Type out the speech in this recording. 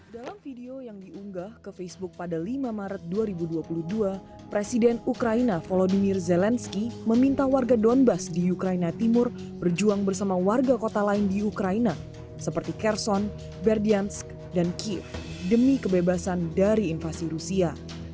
dalam video yang diunggah ke facebook pada lima maret dua ribu dua puluh dua presiden ukraina volodymyr zelensky meminta warga donbass di ukraina timur berjuang bersama warga kota lain di ukraina seperti kerson berdians dan kiev demi kebebasan dari invasi rusia